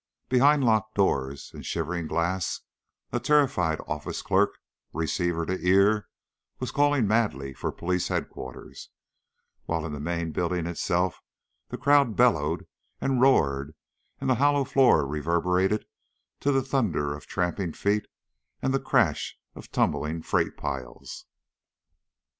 Behind locked doors and shivering glass a terrified office clerk, receiver to ear, was calling madly for Police Headquarters, while in the main building itself the crowd bellowed and roared and the hollow floor reverberated to the thunder of trampling feet and the crash of tumbling freight piles.